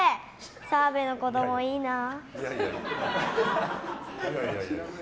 澤部の子供、いいなあ。